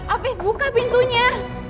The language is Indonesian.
alvif buka pintunya